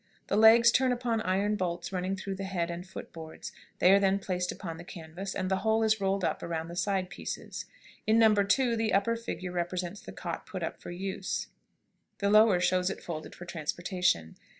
The legs turn upon iron bolts running through the head and foot boards; they are then placed upon the canvas, and the whole is rolled up around the side pieces. In No. 2 the upper figure represents the cot put up for use; the lower shows it folded for transportation.